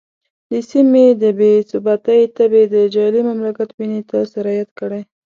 د سیمې د بې ثباتۍ تبې د جعلي مملکت وینې ته سرایت کړی.